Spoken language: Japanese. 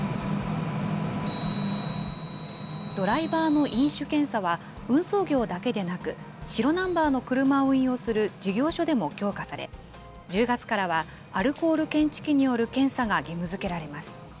ドライバーの飲酒検査は、運送業だけでなく、白ナンバーの車を運用する事業所でも強化され、１０月からはアルコール検知器による検査が義務づけられます。